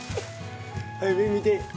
はい上見て。